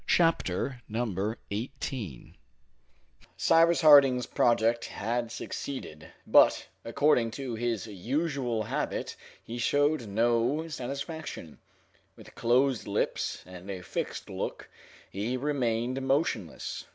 Chapter 18 Cyrus Harding's project had succeeded, but, according to his usual habit he showed no satisfaction; with closed lips and a fixed look, he remained motionless.